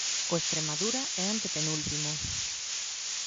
O Estremadura é antepenúltimo.